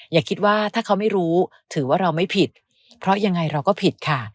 อย่าคิดว่าถ้าเขาไม่รู้ถือว่าเราไม่ผิดเพราะยังไงเราก็ผิดค่ะ